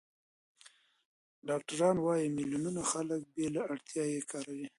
ډاکټران وايي، میلیونونه خلک بې له اړتیا یې کاروي.